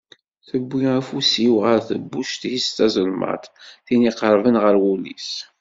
Tiwi afus-iw ɣer tebbuct-is tazelmaḍt, tin iqerben ɣer wul-is.